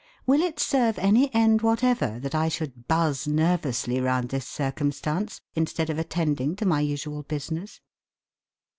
Will it serve any end whatever that I should buzz nervously round this circumstance instead of attending to my usual business?'